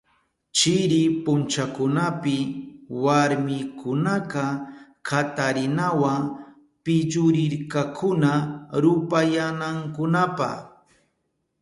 Chiri punchakunapi warmikunaka katarinawa pillurirkakuna rupayanankunapa.